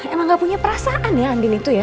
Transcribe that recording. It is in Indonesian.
emang gak punya perasaan ya andin itu ya